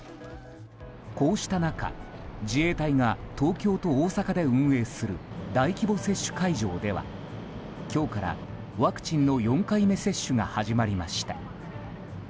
こうした中自衛隊が東京と大阪で運営する大規模接種会場では今日からワクチンの４回目接種が始まりました。